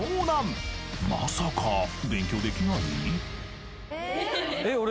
［まさか勉強できない？］